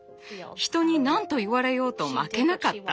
人に何と言われようと負けなかった。